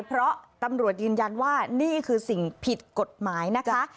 เพราะตำรวจยืนยันว่านี่คือสิ่งผิดกฎหมายนะคะ